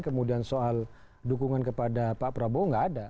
kemudian soal dukungan kepada pak prabowo nggak ada